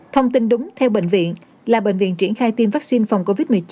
thông tin đúng theo bệnh viện là bệnh viện triển khai tiêm vaccine phòng covid một mươi chín